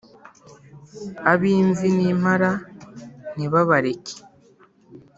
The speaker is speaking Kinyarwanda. Ab’imvi n’impara ntibabareke !